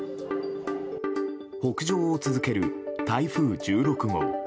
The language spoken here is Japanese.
北上を続ける台風１６号。